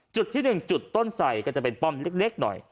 จุดที่๑จุดต้นใส่ก็จะเป็นป้อมเล็กหน่อย